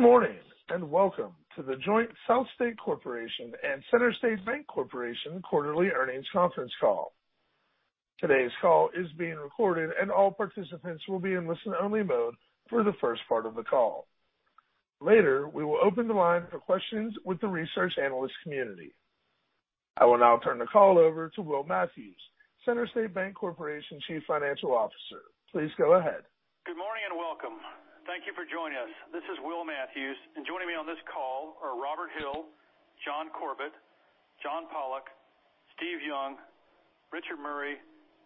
Good morning, and welcome to the joint SouthState Corporation and CenterState Bank Corporation quarterly earnings conference call. Today's call is being recorded, and all participants will be in listen-only mode for the first part of the call. Later, we will open the line for questions with the research analyst community. I will now turn the call over to Will Matthews, CenterState Bank Corporation's Chief Financial Officer. Please go ahead. Good morning, and welcome. Thank you for joining us. This is Will Matthews, and joining me on this call are Robert Hill, John Corbett, John Pollok, Steve Young, Richard Murray,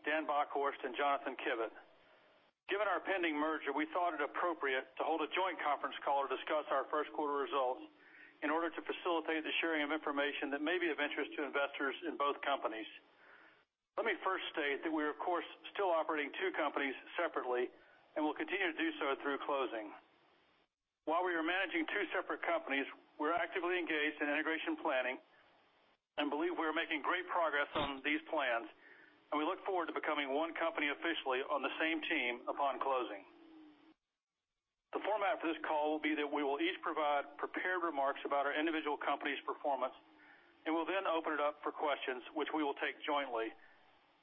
Dan Bockhorst, and Jonathan Kivett. Given our pending merger, we thought it appropriate to hold a joint conference call to discuss our first quarter results in order to facilitate the sharing of information that may be of interest to investors in both companies. Let me first state that we're, of course, still operating two companies separately and will continue to do so through closing. While we are managing two separate companies, we're actively engaged in integration planning and believe we are making great progress on these plans, and we look forward to becoming one company officially on the same team upon closing. The format for this call will be that we will each provide prepared remarks about our individual company's performance, and we'll then open it up for questions, which we will take jointly.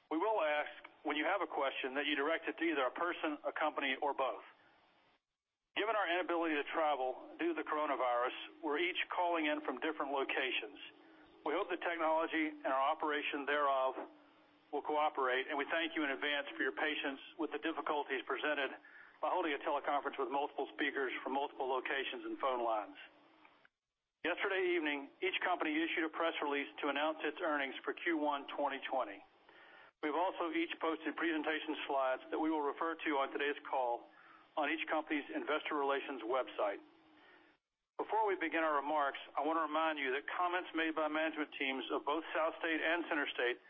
We will ask when you have a question that you direct it to either a person, a company, or both. Given our inability to travel due to the coronavirus, we're each calling in from different locations. We hope the technology and our operation thereof will cooperate, and we thank you in advance for your patience with the difficulties presented by holding a teleconference with multiple speakers from multiple locations and phone lines. Yesterday evening, each company issued a press release to announce its earnings for Q1 2020. We've also each posted presentation slides that we will refer to on today's call on each company's investor relations website. Before we begin our remarks, I want to remind you that comments made by management teams of both SouthState and CenterState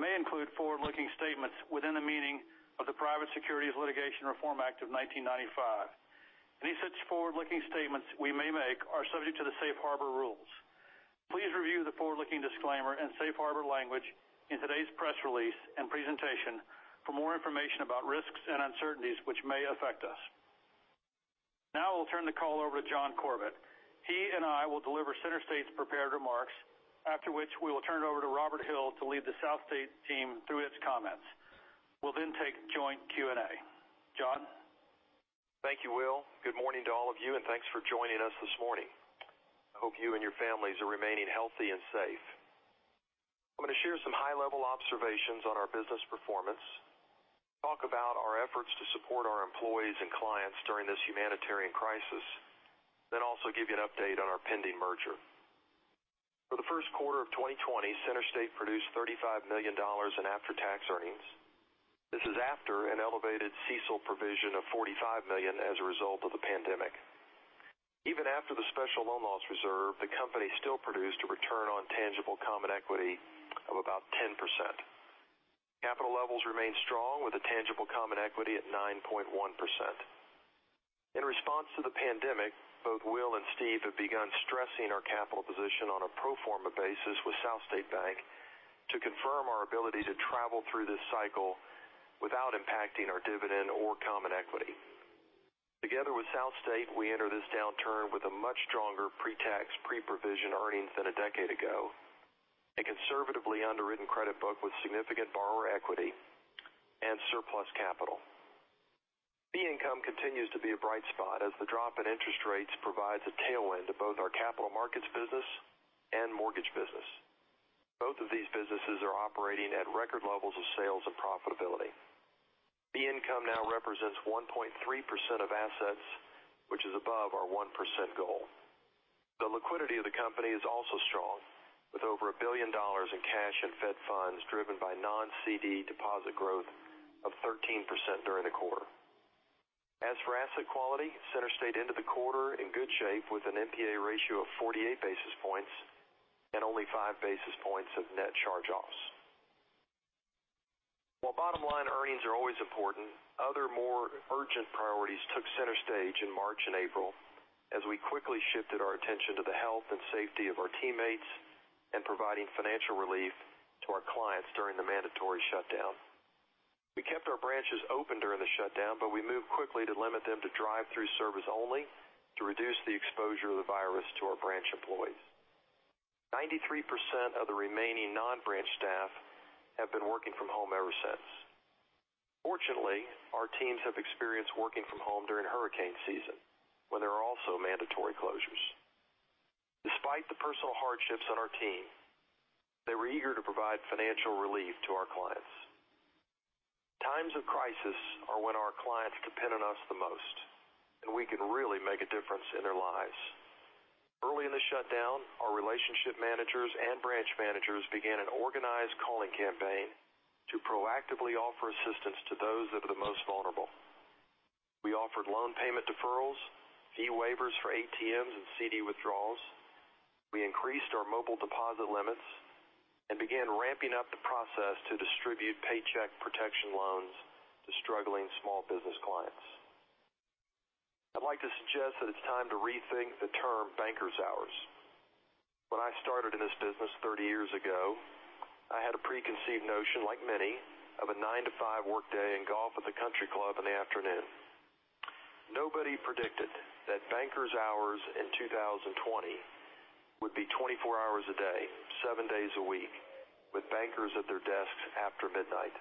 may include forward-looking statements within the meaning of the Private Securities Litigation Reform Act of 1995. Any such forward-looking statements we may make are subject to the safe harbor rules. Please review the forward-looking disclaimer and safe harbor language in today's press release and presentation for more information about risks and uncertainties which may affect us. Now I'll turn the call over to John Corbett. He and I will deliver CenterState's prepared remarks, after which we will turn it over to Robert Hill to lead the SouthState team through its comments. We'll then take joint Q&A. John? Thank you, Will. Good morning to all of you, and thanks for joining us this morning. I hope you and your families are remaining healthy and safe. I'm going to share some high-level observations on our business performance, talk about our efforts to support our employees and clients during this humanitarian crisis, then also give you an update on our pending merger. For the first quarter of 2020, CenterState produced $35 million in after-tax earnings. This is after an elevated CECL provision of $45 million as a result of the pandemic. Even after the special loan loss reserve, the company still produced a return on tangible common equity of about 10%. Capital levels remain strong, with a tangible common equity at 9.1%. In response to the pandemic, both Will and Steve have begun stressing our capital position on a pro forma basis with SouthState Bank to confirm our ability to travel through this cycle without impacting our dividend or common equity. Together with SouthState, we enter this downturn with a much stronger pre-tax, pre-provision earnings than a decade ago, a conservatively underwritten credit book with significant borrower equity, and surplus capital. Fee income continues to be a bright spot as the drop in interest rates provides a tailwind to both our capital markets business and mortgage business. Both of these businesses are operating at record levels of sales and profitability. Fee income now represents 1.3% of assets, which is above our 1% goal. The liquidity of the company is also strong, with over $1 billion in cash and Fed funds driven by non-CDI deposit growth of 13% during the quarter. As for asset quality, CenterState ended the quarter in good shape with an NPA ratio of 48 basis points and only five basis points of net charge-offs. While bottom-line earnings are always important, other more urgent priorities took center stage in March and April as we quickly shifted our attention to the health and safety of our teammates and providing financial relief to our clients during the mandatory shutdown. We kept our branches open during the shutdown, but we moved quickly to limit them to drive-through service only to reduce the exposure of the virus to our branch employees. 93% of the remaining non-branch staff have been working from home ever since. Fortunately, our teams have experience working from home during hurricane season, when there are also mandatory closures. Despite the personal hardships on our team, they were eager to provide financial relief to our clients. Times of crisis are when our clients depend on us the most, and we can really make a difference in their lives. Early in the shutdown, our relationship managers and branch managers began an organized calling campaign to proactively offer assistance to those that are the most vulnerable. We offered loan payment deferrals, fee waivers for ATMs and CD withdrawals. We increased our mobile deposit limits and began ramping up the process to distribute Paycheck Protection loans to struggling small business clients. I'd like to suggest that it's time to rethink the term banker's hours. When I started in this business 30 years ago, I had a preconceived notion, like many, of a 9:00 A.M. to 5:00 P.M. workday and golf at the country club in the afternoon. Nobody predicted that bankers' hours in 2020 would be 24 hours a day, seven days a week, with bankers at their desks after midnight.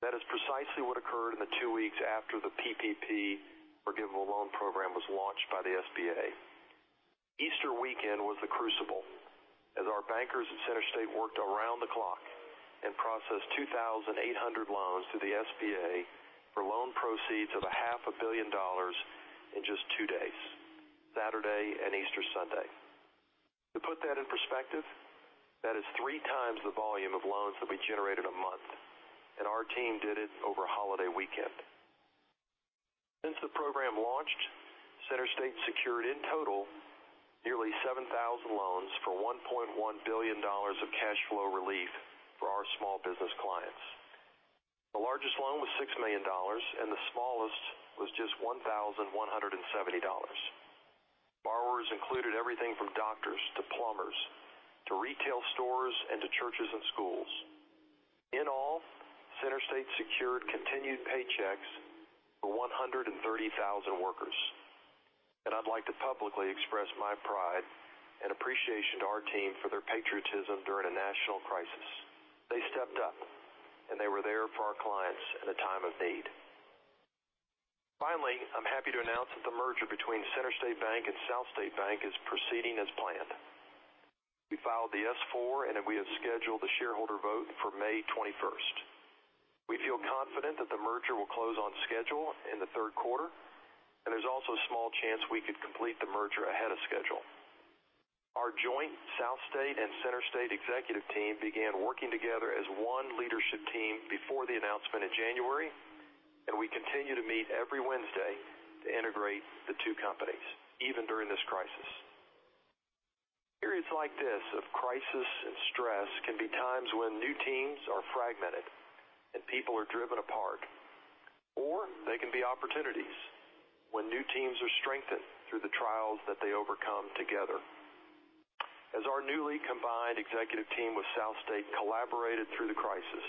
That is precisely what occurred in the two weeks after the PPP forgivable loan program was launched by the SBA. Easter weekend was the crucible, as our bankers at CenterState worked around the clock and processed 2,800 loans through the SBA for loan proceeds of a half a billion dollars in just two days, Saturday and Easter Sunday. To put that in perspective, that is three times the volume of loans that we generated a month, and our team did it over a holiday weekend. Since the program launched, CenterState secured in total nearly 7,000 loans for $1.1 billion of cash flow relief for our small business clients. The largest loan was $6 million, and the smallest was just $1,170. Borrowers included everything from doctors to plumbers to retail stores and to churches and schools. In all, CenterState secured continued paychecks for 130,000 workers. I'd like to publicly express my pride and appreciation to our team for their patriotism during a national crisis. They stepped up, and they were there for our clients in a time of need. Finally, I'm happy to announce that the merger between CenterState Bank and SouthState Bank is proceeding as planned. We filed the S-4, and then we have scheduled the shareholder vote for May 21st. We feel confident that the merger will close on schedule in the third quarter, and there's also a small chance we could complete the merger ahead of schedule. Our joint SouthState and CenterState executive team began working together as one leadership team before the announcement in January, and we continue to meet every Wednesday to integrate the two companies, even during this crisis. Periods like this of crisis and stress can be times when new teams are fragmented and people are driven apart, or they can be opportunities when new teams are strengthened through the trials that they overcome together. As our newly combined executive team with SouthState collaborated through the crisis,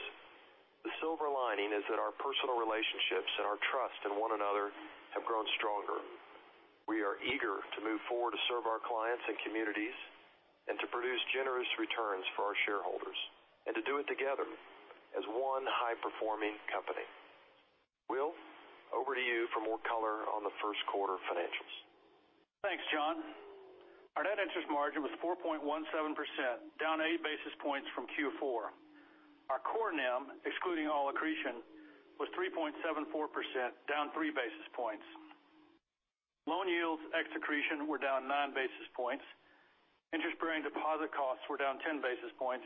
the silver lining is that our personal relationships and our trust in one another have grown stronger. We are eager to move forward to serve our clients and communities and to produce generous returns for our shareholders and to do it together as one high-performing company. Will, over to you for more color on the first quarter financials. Thanks, John. Our net interest margin was 4.17%, down eight basis points from Q4. Our core NIM, excluding all accretion, was 3.74%, down three basis points. Loan yields ex accretion were down nine basis points. Interest-bearing deposit costs were down 10 basis points.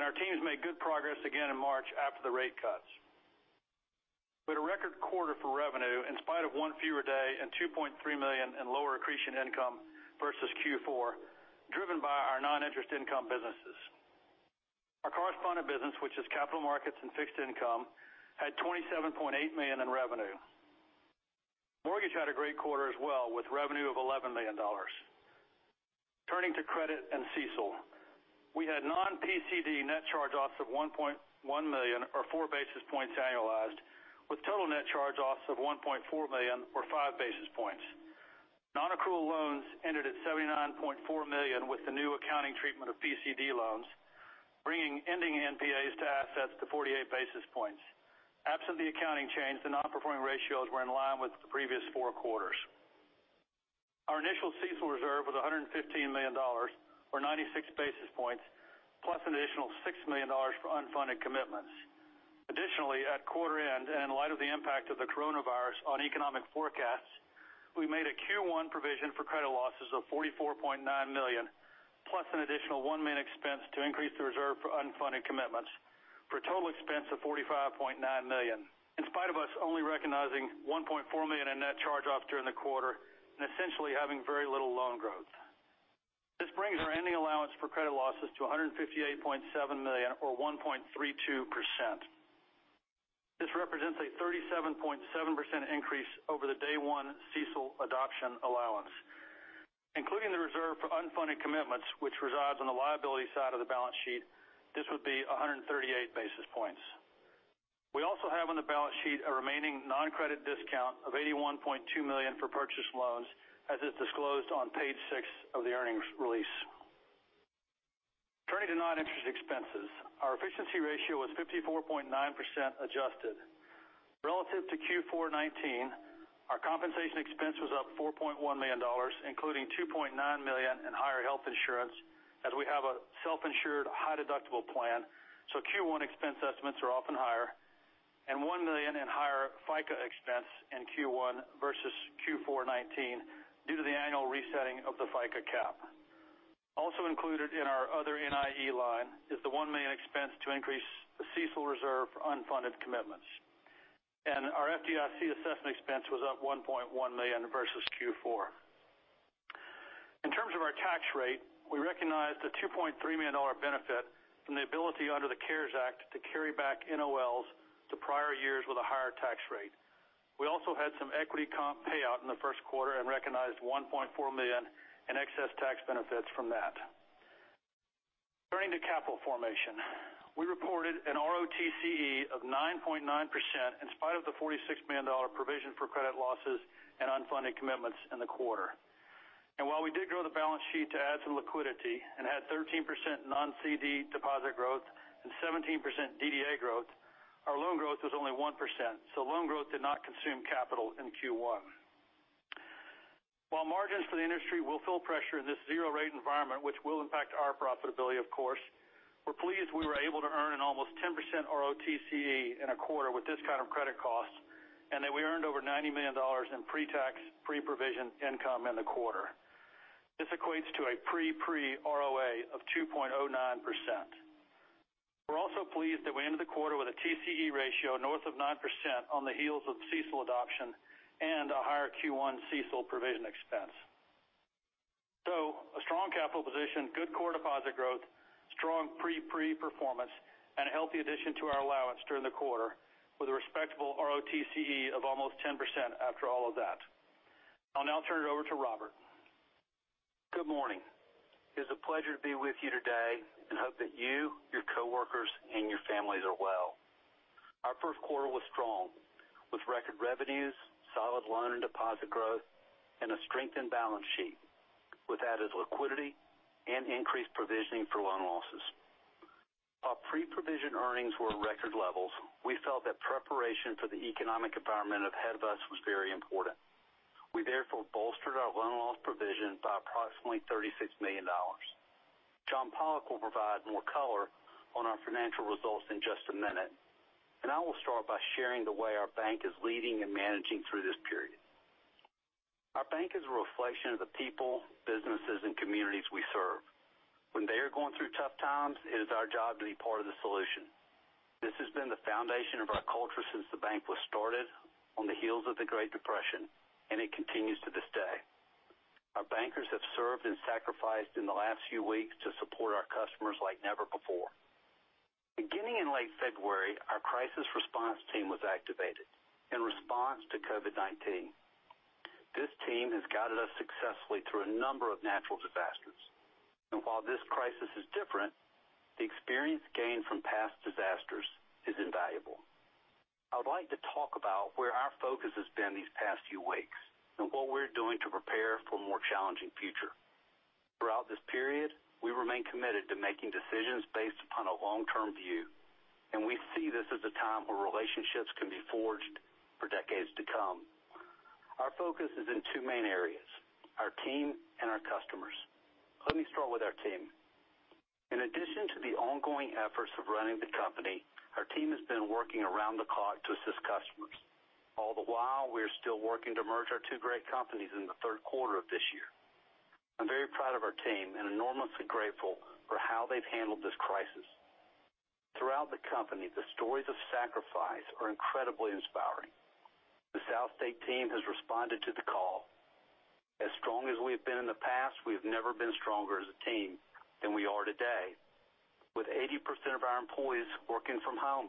Our teams made good progress again in March after the rate cuts. We had a record quarter for revenue in spite of one fewer day and $2.3 million in lower accretion income versus Q4, driven by our non-interest income businesses. Our correspondent business, which is capital markets and fixed income, had $27.8 million in revenue. Mortgage had a great quarter as well, with revenue of $11 million. Turning to credit and CECL, we had non-PCD net charge-offs of $1.1 million or four basis points annualized, with total net charge-offs of $1.4 million or five basis points. Non-accrual loans ended at $79.4 million with the new accounting treatment of PCD loans, bringing ending NPAs to assets to 48 basis points. Absent the accounting change, the non-performing ratios were in line with the previous four quarters. Our initial CECL reserve was $115 million, or 96 basis points, plus an additional $6 million for unfunded commitments. Additionally, at quarter end and in light of the impact of the coronavirus on economic forecasts, we made a Q1 provision for credit losses of $44.9 million, plus an additional $1 million expense to increase the reserve for unfunded commitments for a total expense of $45.9 million, in spite of us only recognizing $1.4 million in net charge-offs during the quarter and essentially having very little loan growth. This brings our ending allowance for credit losses to $158.7 million or 1.32%. This represents a 37.7% increase over the day one CECL adoption allowance. Including the reserve for unfunded commitments, which resides on the liability side of the balance sheet, this would be 138 basis points. We also have on the balance sheet a remaining non-credit discount of $81.2 million for purchased loans, as is disclosed on page six of the earnings release. Turning to non-interest expenses, our efficiency ratio was 54.9% adjusted. Relative to Q4 2019, our compensation expense was up $4.1 million, including $2.9 million in higher health insurance, as we have a self-insured high deductible plan, so Q1 expense estimates are often higher, $1 million in higher FICA expense in Q1 versus Q4 2019 due to the annual resetting of the FICA cap. Included in our other NIE line is the $1 million expense to increase the CECL reserve for unfunded commitments. Our FDIC assessment expense was up $1.1 million versus Q4. In terms of our tax rate, we recognized a $2.3 million benefit from the ability under the CARES Act to carry back NOLs to prior years with a higher tax rate. We also had some equity comp payout in the first quarter and recognized $1.4 million in excess tax benefits from that. Turning to capital formation. We reported an ROTCE of 9.9% in spite of the $46 million provision for credit losses and unfunded commitments in the quarter. While we did grow the balance sheet to add some liquidity and had 13% non-CD deposit growth and 17% DDA growth, our loan growth was only 1%, so loan growth did not consume capital in Q1. While margins for the industry will feel pressure in this zero rate environment, which will impact our profitability of course, we're pleased we were able to earn an almost 10% ROTCE in a quarter with this kind of credit cost, and that we earned over $90 million in pre-tax, pre-provision income in the quarter. This equates to a pre-pre ROA of 2.09%. We're also pleased that we ended the quarter with a TCE ratio north of 9% on the heels of CECL adoption and a higher Q1 CECL provision expense. A strong capital position, good core deposit growth, strong pre-pre performance, and a healthy addition to our allowance during the quarter with a respectable ROTCE of almost 10% after all of that. I'll now turn it over to Robert. Good morning. It is a pleasure to be with you today and hope that you, your coworkers, and your families are well. Our first quarter was strong with record revenues, solid loan and deposit growth, and a strengthened balance sheet with added liquidity and increased provisioning for loan losses. While pre-provision earnings were at record levels, we felt that preparation for the economic environment ahead of us was very important. We therefore bolstered our loan loss provision by approximately $36 million. John Pollok will provide more color on our financial results in just a minute, and I will start by sharing the way our bank is leading and managing through this period. Our bank is a reflection of the people, businesses, and communities we serve. When they are going through tough times, it is our job to be part of the solution. This has been the foundation of our culture since the bank was started on the heels of the Great Depression, and it continues to this day. Our bankers have served and sacrificed in the last few weeks to support our customers like never before. Beginning in late February, our crisis response team was activated in response to COVID-19. This team has guided us successfully through a number of natural disasters. While this crisis is different, the experience gained from past disasters is invaluable. I would like to talk about where our focus has been these past few weeks and what we're doing to prepare for a more challenging future. Throughout this period, we remain committed to making decisions based upon a long-term view, and we see this as a time where relationships can be forged for decades to come. Our focus is in two main areas, our team and our customers. Let me start with our team. In addition to the ongoing efforts of running the company, our team has been working around the clock to assist customers. All the while, we are still working to merge our two great companies in the third quarter of this year. I'm very proud of our team and enormously grateful for how they've handled this crisis. Throughout the company, the stories of sacrifice are incredibly inspiring. The SouthState team has responded to the call. As strong as we have been in the past, we have never been stronger as a team than we are today. With 80% of our employees working from home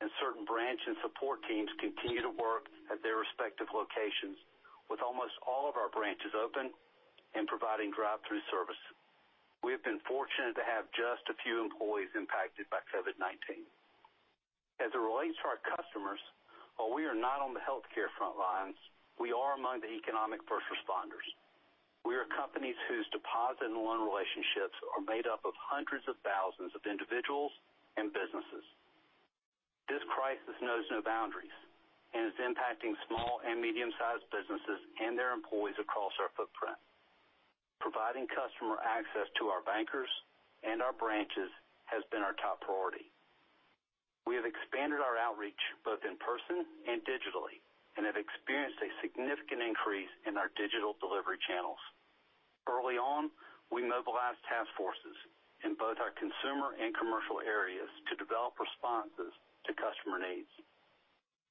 and certain branch and support teams continue to work at their respective locations with almost all of our branches open and providing drive-through service. We have been fortunate to have just a few employees impacted by COVID-19. As it relates to our customers, while we are not on the healthcare front lines, we are among the economic first responders. We are companies whose deposit and loan relationships are made up of hundreds of thousands of individuals and businesses. This crisis knows no boundaries and is impacting small and medium-sized businesses and their employees across our footprint. Providing customer access to our bankers and our branches has been our top priority. We have expanded our outreach both in person and digitally and have experienced a significant increase in our digital delivery channels. Early on, we mobilized task forces in both our consumer and commercial areas to develop responses to customer needs.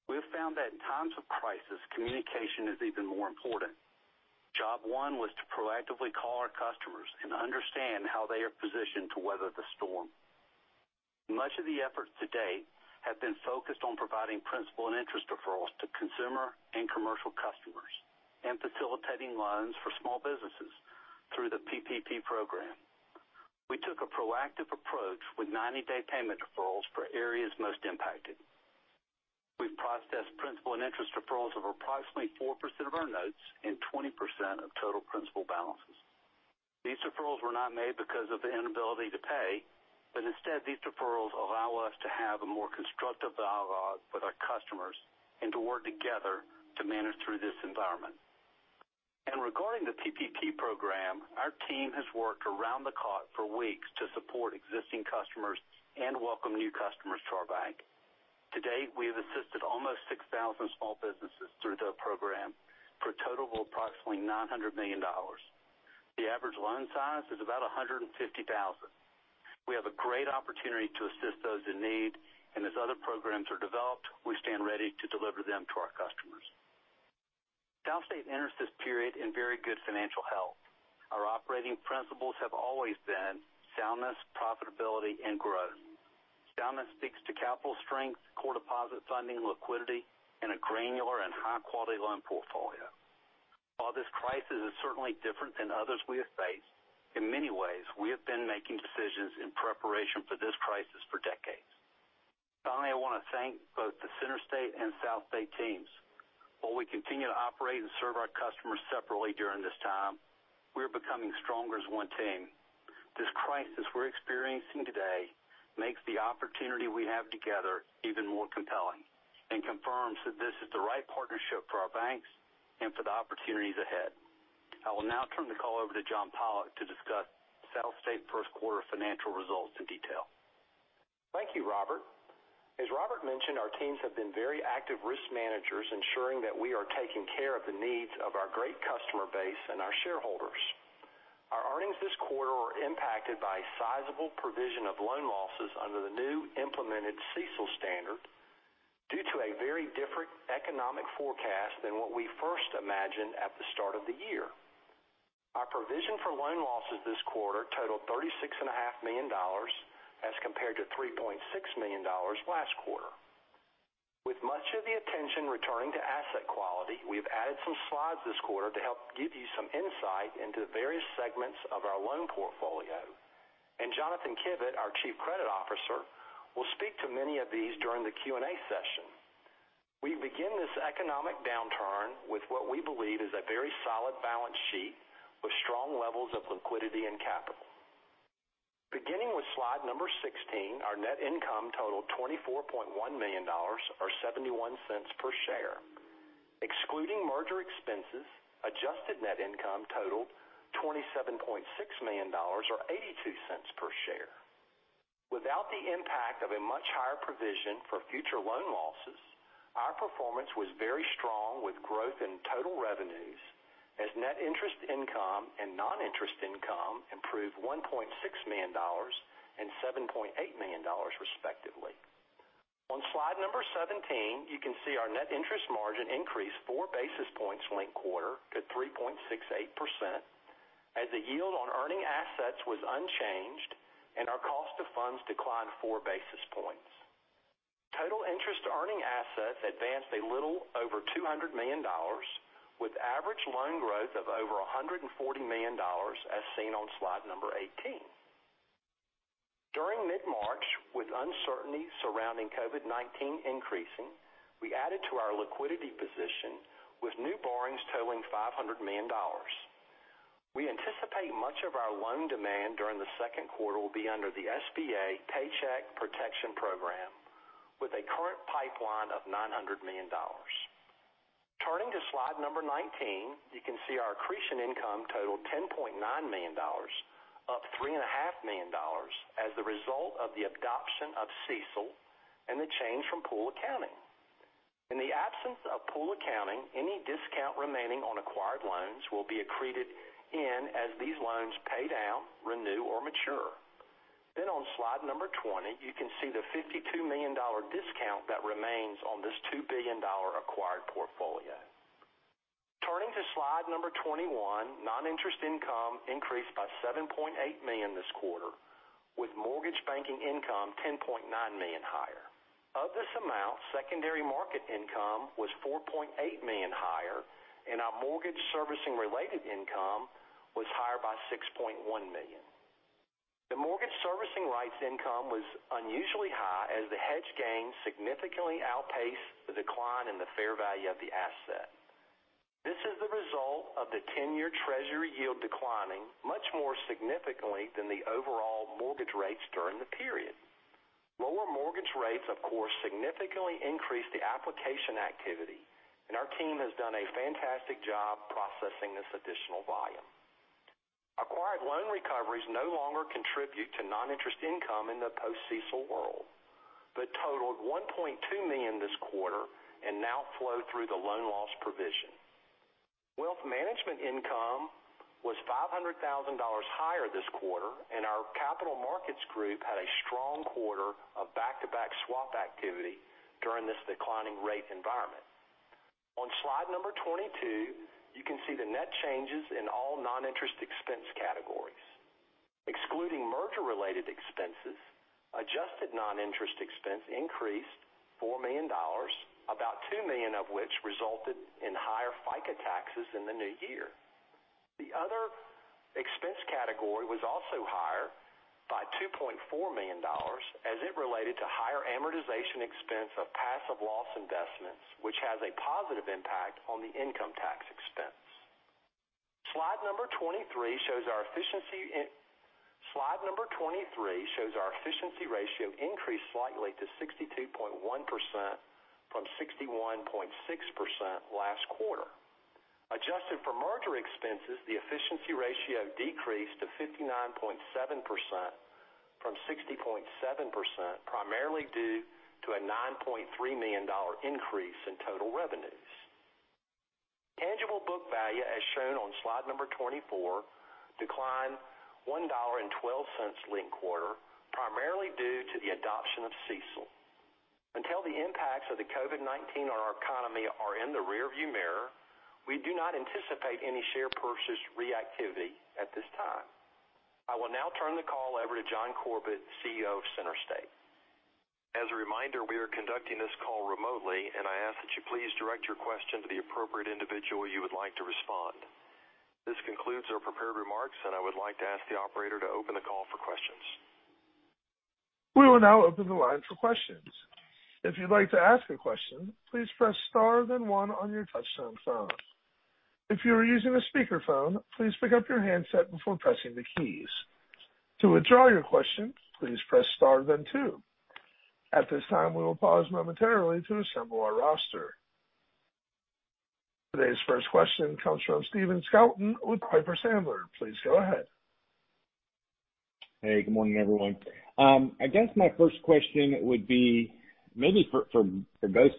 We have found that in times of crisis, communication is even more important. Job one was to proactively call our customers and understand how they are positioned to weather the storm. Much of the efforts to date have been focused on providing principal and interest deferrals to consumer and commercial customers and facilitating loans for small businesses through the PPP program. We took a proactive approach with 90-day payment deferrals for areas most impacted. We've processed principal and interest deferrals of approximately 4% of our notes and 20% of total principal balances. These deferrals were not made because of the inability to pay, but instead, these deferrals allow us to have a more constructive dialogue with our customers and to work together to manage through this environment. Regarding the PPP program, our team has worked around the clock for weeks to support existing customers and welcome new customers to our bank. To date, we have assisted almost 6,000 small businesses through the program for a total of approximately $900 million. The average loan size is about $150,000. We have a great opportunity to assist those in need, and as other programs are developed, we stand ready to deliver them to our customers. SouthState enters this period in very good financial health. Our operating principles have always been soundness, profitability, and growth. Soundness speaks to capital strength, core deposit funding, liquidity, and a granular and high-quality loan portfolio. While this crisis is certainly different than others we have faced, in many ways, we have been making decisions in preparation for this crisis for decades. Finally, I want to thank both the CenterState and South State teams. While we continue to operate and serve our customers separately during this time, we are becoming stronger as one team. This crisis we're experiencing today makes the opportunity we have together even more compelling and confirms that this is the right partnership for our banks and for the opportunities ahead. I will now turn the call over to John Pollok to discuss SouthState Bank first quarter financial results in detail. Thank you, Robert. As Robert mentioned, our teams have been very active risk managers, ensuring that we are taking care of the needs of our great customer base and our shareholders. Our earnings this quarter were impacted by sizable provision of loan losses under the new implemented CECL standard due to a very different economic forecast than what we first imagined at the start of the year. Our provision for loan losses this quarter totaled $36.5 million as compared to $3.6 million last quarter. With much of the attention returning to asset quality, we've added some slides this quarter to help give you some insight into various segments of our loan portfolio, and Jonathan Kivett, our Chief Credit Officer, will speak to many of these during the Q&A session. We begin this economic downturn with what we believe is a very solid balance sheet with strong levels of liquidity and capital. Beginning with slide number 16, our net income totaled $24.1 million, or $0.71 per share. Excluding merger expenses, adjusted net income totaled $27.6 million or $0.82 per share. Without the impact of a much higher provision for future loan losses, our performance was very strong with growth in total revenues as net interest income and non-interest income improved $1.6 million and $7.8 million, respectively. On slide number 17, you can see our net interest margin increased four basis points linked quarter to 3.68% as the yield on earning assets was unchanged and our cost of funds declined four basis points. Total interest to earning assets advanced a little over $200 million with average loan growth of over $140 million, as seen on slide number 18. During mid-March, with uncertainty surrounding COVID-19 increasing, we added to our liquidity position with new borrowings totaling $500 million. We anticipate much of our loan demand during the second quarter will be under the SBA Paycheck Protection Program, with a current pipeline of $900 million. Turning to slide number 19, you can see our accretion income totaled $10.9 million, up three and a half million dollars as the result of the adoption of CECL and the change from pool accounting. In the absence of pool accounting, any discount remaining on acquired loans will be accreted in as these loans pay down, renew, or mature. On slide number 20, you can see the $52 million discount that remains on this $2 billion acquired portfolio. Turning to slide number 21, non-interest income increased by $7.8 million this quarter, with mortgage banking income $10.9 million higher. Of this amount, secondary market income was $4.8 million higher, and our mortgage servicing related income was higher by $6.1 million. The mortgage servicing rights income was unusually high as the hedge gain significantly outpaced the decline in the fair value of the asset. This is the result of the 10-year treasury yield declining much more significantly than the overall mortgage rates during the period. Lower mortgage rates, of course, significantly increased the application activity, and our team has done a fantastic job processing this additional volume. Acquired loan recoveries no longer contribute to non-interest income in the post-CECL world, but totaled $1.2 million this quarter and now flow through the loan loss provision. Wealth management income was $500,000 higher this quarter, and our capital markets group had a strong quarter of back-to-back swap activity during this declining rate environment. On slide number 22, you can see the net changes in all non-interest expense categories. Excluding merger-related expenses, adjusted non-interest expense increased $4 million, about $2 million of which resulted in higher FICA taxes in the new year. The other expense category was also higher by $2.4 million as it related to higher amortization expense of passive loss investments, which has a positive impact on the income tax expense. Slide number 23 shows our efficiency ratio increased slightly to 62.1% from 61.6% last quarter. Adjusted for merger expenses, the efficiency ratio decreased to 59.7% from 60.7%, primarily due to a $9.3 million increase in total revenues. Tangible book value, as shown on slide number 24, declined $1.12 linked quarter, primarily due to the adoption of CECL. Until the impacts of the COVID-19 on our economy are in the rear view mirror, we do not anticipate any share repurchase activity at this time. I will now turn the call over to John Corbett, CEO of SouthState Bank. As a reminder, we are conducting this call remotely, and I ask that you please direct your question to the appropriate individual you would like to respond. This concludes our prepared remarks, and I would like to ask the operator to open the call for questions. We will now open the line for questions. If you'd like to ask a question, please press star then one on your touch-tone phone. If you are using a speakerphone, please pick up your handset before pressing the keys. To withdraw your question, please press star then two. At this time, we will pause momentarily to assemble our roster. Today's first question comes from Stephen Scouten with Piper Sandler. Please go ahead. Hey, good morning, everyone. I guess my first question would be maybe for both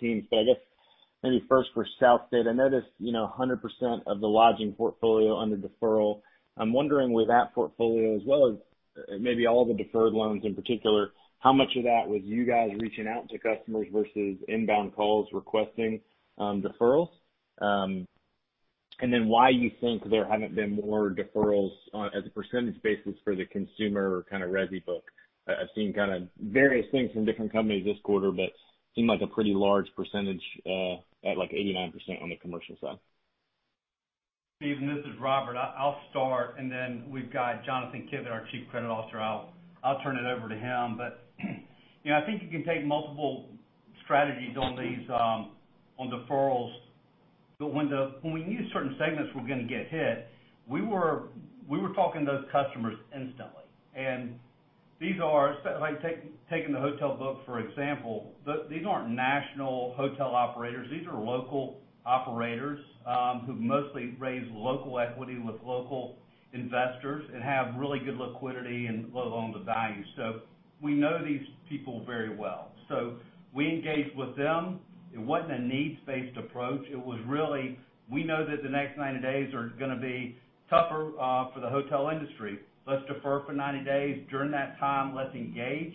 teams. I guess maybe first for SouthState. I noticed 100% of the lodging portfolio under deferral. I'm wondering with that portfolio, as well as maybe all the deferred loans in particular, how much of that was you guys reaching out to customers versus inbound calls requesting deferrals? Why you think there haven't been more deferrals on as a percentage basis for the consumer kind of resi book? I've seen kind of various things from different companies this quarter. Seemed like a pretty large percentage at like 89% on the commercial side. Stephen, this is Robert. I'll start, and then we've got Jonathan Kivett, our Chief Credit Officer. I'll turn it over to him. I think you can take multiple strategies on deferrals. When we knew certain segments were going to get hit, we were talking to those customers instantly. Taking the hotel book, for example, these aren't national hotel operators. These are local operators, who've mostly raised local equity with local investors and have really good liquidity and loan-to-value. We know these people very well. We engaged with them. It wasn't a needs-based approach. It was really, we know that the next 90 days are going to be tougher for the hotel industry. Let's defer for 90 days. During that time, let's engage.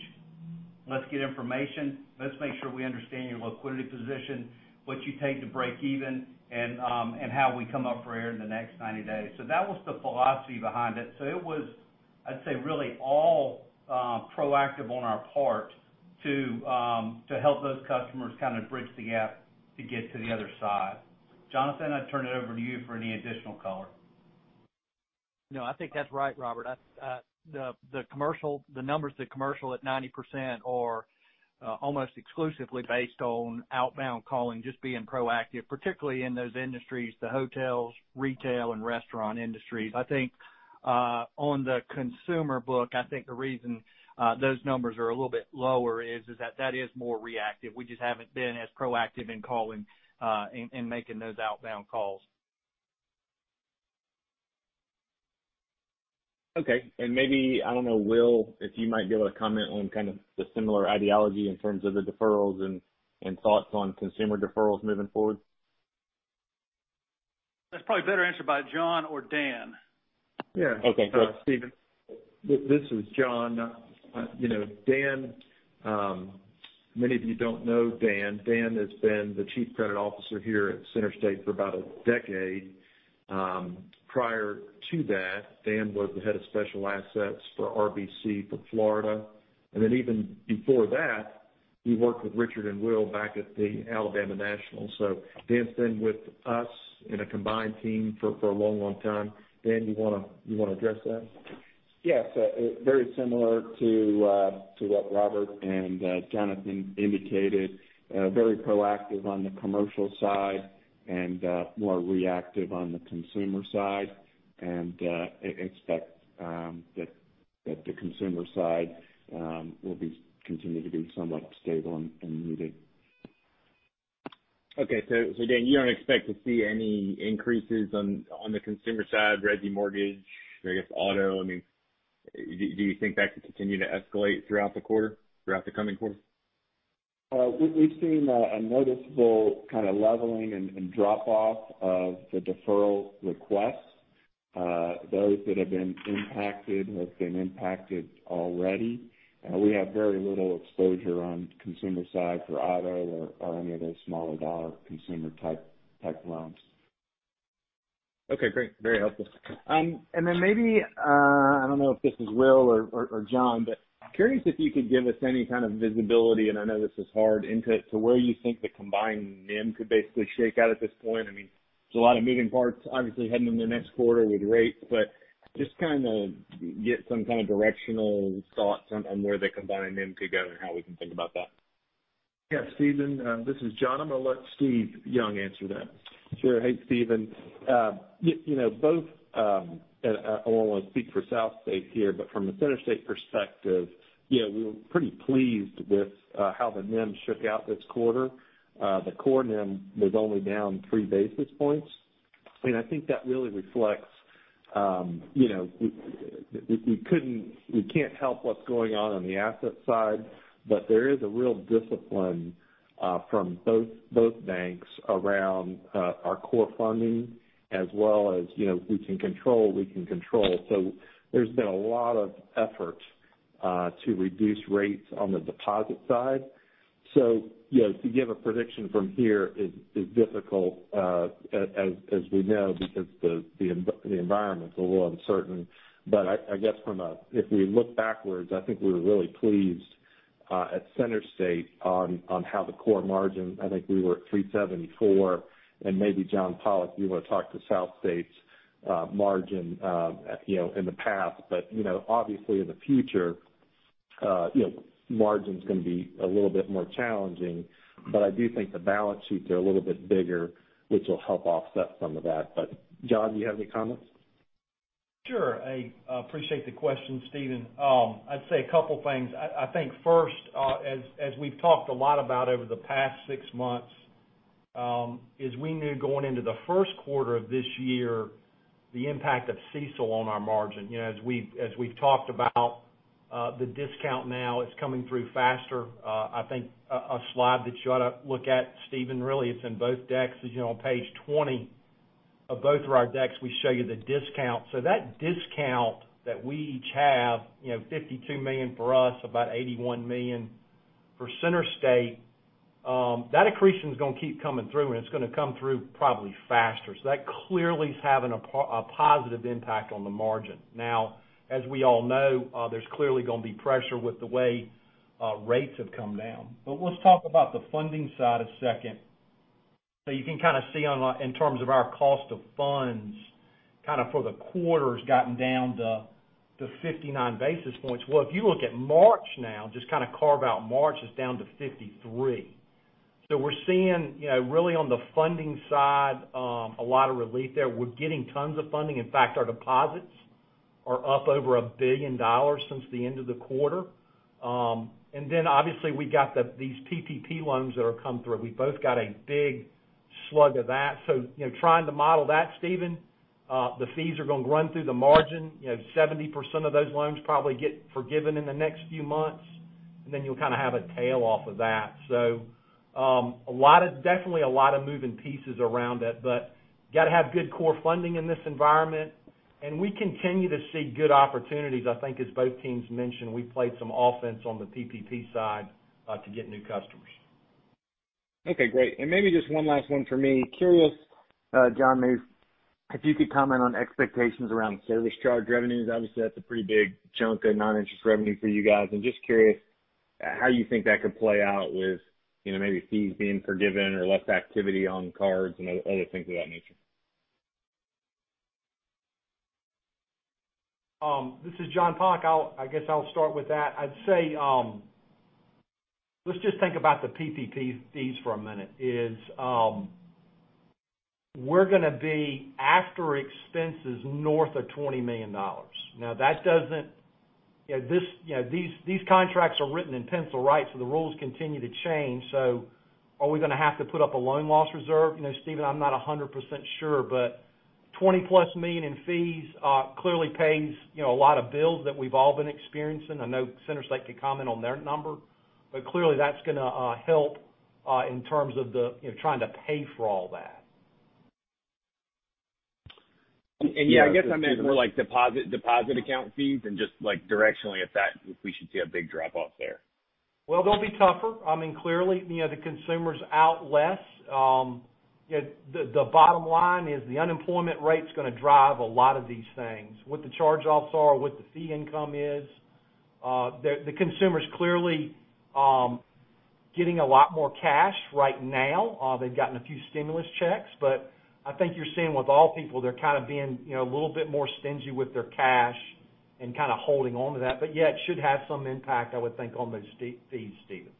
Let's get information. Let's make sure we understand your liquidity position, what you take to break even, and how we come up for air in the next 90 days. That was the philosophy behind it. It was, I'd say, really all proactive on our part to help those customers kind of bridge the gap to get to the other side. Jonathan, I turn it over to you for any additional color. No, I think that's right, Robert. The numbers that commercial at 90% are almost exclusively based on outbound calling, just being proactive, particularly in those industries, the hotels, retail, and restaurant industries. I think on the consumer book, I think the reason those numbers are a little bit lower is that is more reactive. We just haven't been as proactive in calling and making those outbound calls. Okay. Maybe, I don't know, Will, if you might be able to comment on kind of the similar ideology in terms of the deferrals and thoughts on consumer deferrals moving forward? That's probably better answered by John or Dan. Yeah. Okay. Stephen, this is John. Dan, many of you don't know Dan. Dan has been the Chief Credit Officer here at CenterState for about a decade. Prior to that, Dan was the head of special assets for RBC for Florida. Even before that, he worked with Richard and Will back at the Alabama National. Dan's been with us in a combined team for a long time. Dan, you want to address that? Yes, very similar to what Robert and Jonathan indicated. Very proactive on the commercial side and more reactive on the consumer side. Expect that the consumer side will be continued to be somewhat stable and muted. Okay. Dan, you don't expect to see any increases on the consumer side, resi mortgage, I guess auto. Do you think that could continue to escalate throughout the coming quarter? We've seen a noticeable kind of leveling and drop off of the deferral requests. Those that have been impacted have been impacted already. We have very little exposure on consumer side for auto or any of those smaller dollar consumer type loans. Okay, great. Very helpful. Maybe, I don't know if this is Will or John, but curious if you could give us any kind of visibility, and I know this is hard, into where you think the combined NIM could basically shake out at this point. I mean, there's a lot of moving parts obviously heading in the next quarter with rates, just kind of get some kind of directional thoughts on where the combined NIM could go and how we can think about that. Yeah, Stephen, this is John. I'm going to let Steve Young answer that. Sure. Hey, Stephen. I want to speak for SouthState here, but from a CenterState perspective, yeah, we were pretty pleased with how the NIM shook out this quarter. The core NIM was only down three basis points. I think that really reflects, we can't help what's going on the asset side, but there is a real discipline from both banks around our core funding as well as we can control. There's been a lot of effort to reduce rates on the deposit side. To give a prediction from here is difficult, as we know, because the environment's a little uncertain. I guess if we look backwards, I think we're really pleased at CenterState on how the core margin, I think we were at 374, and maybe John Pollok, you want to talk to SouthState's margin in the past. Obviously in the future margin's going to be a little bit more challenging. I do think the balance sheets are a little bit bigger, which will help offset some of that. John, do you have any comments? Sure. I appreciate the question, Stephen. I'd say a couple things. I think first, as we've talked a lot about over the past six months, is we knew going into the first quarter of this year, the impact of CECL on our margin. As we've talked about the discount now, it's coming through faster. I think a slide that you ought to look at, Stephen, really it's in both decks is on page 20 of both of our decks, we show you the discount. That discount that we each have, $52 million for us, about $81 million for CenterState, that accretion's going to keep coming through, and it's going to come through probably faster. That clearly is having a positive impact on the margin. As we all know, there's clearly going to be pressure with the way rates have come down. Let's talk about the funding side a second. You can kind of see in terms of our cost of funds for the quarter has gotten down to 59 basis points. Well, if you look at March now, just kind of carve out March, it's down to 53. We're seeing really on the funding side a lot of relief there. We're getting tons of funding. In fact, our deposits are up over $1 billion since the end of the quarter. Obviously we got these PPP loans that have come through. We both got a big slug of that. Trying to model that, Stephen, the fees are going to run through the margin, 70% of those loans probably get forgiven in the next few months, and then you'll kind of have a tail off of that. Definitely a lot of moving pieces around it, but got to have good core funding in this environment, and we continue to see good opportunities. I think as both teams mentioned, we played some offense on the PPP side to get new customers. Okay, great. Maybe just one last one for me. Curious, John, maybe if you could comment on expectations around service charge revenues. Obviously, that's a pretty big chunk of non-interest revenue for you guys, and just curious how you think that could play out with maybe fees being forgiven or less activity on cards and other things of that nature. This is John Pollok. I guess I'll start with that. I'd say, let's just think about the PPP fees for a minute, is we're going to be after expenses north of $20 million. These contracts are written in pencil, right? The rules continue to change. Are we going to have to put up a loan loss reserve? Stephen, I'm not 100% sure, but +$20 million in fees clearly pays a lot of bills that we've all been experiencing. I know CenterState could comment on their number, but clearly that's going to help in terms of trying to pay for all that. Yeah, I guess I meant more like deposit account fees and just like directionally if that, if we should see a big drop off there. Well, they'll be tougher. Clearly, the consumer's out less. The bottom line is the unemployment rate's going to drive a lot of these things, what the charge-offs are, what the fee income is. The consumer's clearly getting a lot more cash right now. They've gotten a few stimulus checks, I think you're seeing with all people, they're kind of being a little bit more stingy with their cash and kind of holding onto that. Yeah, it should have some impact, I would think, on those fees, Stephen.